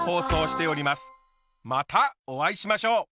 またお会いしましょう。